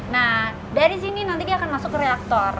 nah dari sini nanti dia akan masuk ke reaktor